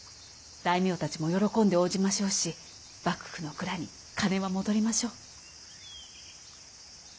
大名たちも喜んで応じましょうし幕府の蔵に金は戻りましょう！